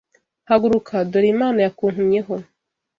Haguruka, dore Imana yakuntumyeho